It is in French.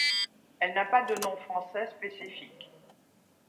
Elle n'a pas de nom français spécifique.